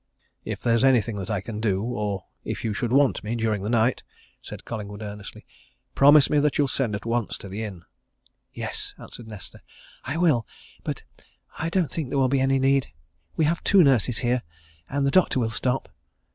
"If there is anything that I can do, or if you should want me, during the night," said Collingwood, earnestly, "promise me that you'll send at once to the inn!" "Yes," answered Nesta. "I will. But I don't think there will be any need. We have two nurses here, and the doctor will stop.